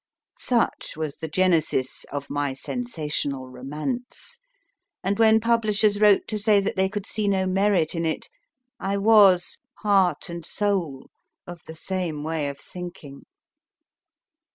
Such was the genesis of my sensational romance, and when publishers wrote to say that they could see no merit in it, I was, heart and soul, of the same way of thinking.